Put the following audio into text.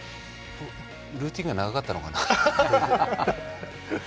ルーチンが長かったのかな。